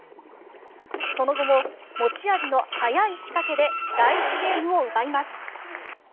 その後も持ち味の早い仕掛けで第１ゲームを奪います。